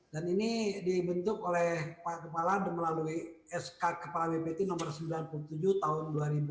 dan ini dibentuk oleh pak kepala melalui sk kepala bppt nomor sembilan puluh tujuh tahun dua ribu dua puluh